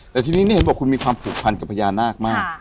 แต่ทีนี้นี่เห็นบอกคุณมีความผูกพันกับพญานาคมาก